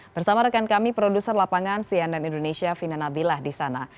bersama rekan kami produser lapangan cnn indonesia vina nabilah di sana